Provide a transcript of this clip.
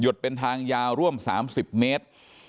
ดเป็นทางยาวร่วม๓๐เมตร